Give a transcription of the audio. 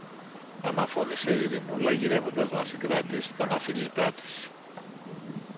αναφώνησε η Ειρηνούλα, γυρεύοντας να συγκρατήσει τ' αναφιλητά της.